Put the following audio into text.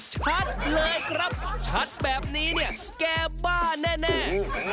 ชัดเลยครับชัดแบบนี้เนี่ยแกบ้าแน่